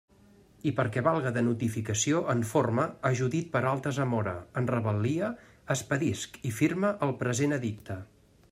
I perquè valga de notificació en forma a Judit Peralta Zamora, en rebel·lia, expedisc i firme el present edicte.